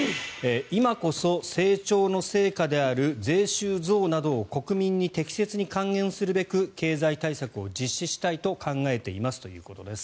今こそ成長の成果である税収増などを国民に適切に還元するべく経済対策を実施したいと考えていますということです。